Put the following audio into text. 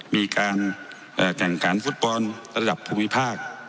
มีการแข่งขันฟุตบอลระดับภูมิภาค